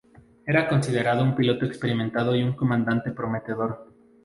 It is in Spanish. Era ya considerado un piloto experimentado y un comandante prometedor.